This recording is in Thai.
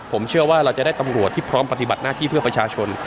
ผมเชื่อว่าเราจะได้ตำรวจที่พร้อมปฏิบัติหน้าที่เพื่อประชาชน